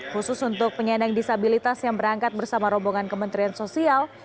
khusus untuk penyandang disabilitas yang berangkat bersama rombongan kementerian sosial